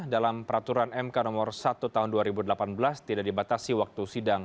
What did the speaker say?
dalam peraturan mk nomor satu tahun dua ribu delapan belas tidak dibatasi waktu sidang